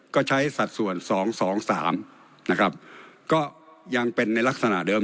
ก็ใช้สัดส่วนสองสองสามนะครับก็ยังเป็นในลักษณะเดิม